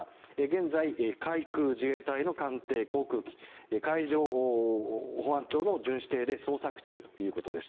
現在、海・空自衛隊の艦艇や航空機海上保安庁の巡視艇で捜索中ということです。